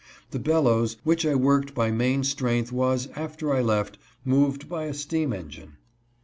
The bellows which I worked by main strength was, after I left, moved by a steam engine.